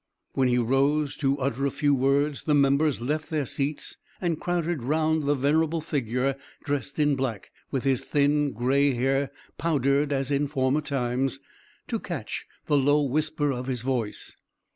When he rose to utter a few words the members left their seats and crowded around the venerable figure dressed in black, with his thin gray hair powdered as in former times, to catch the low whisper of his voice.